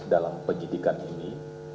dalam penyidikan ini